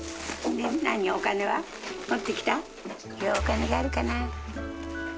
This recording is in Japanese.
お金があるかな？